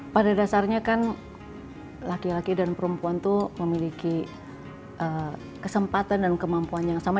pada dasarnya kan laki laki dan perempuan itu memiliki kesempatan dan kemampuan yang sama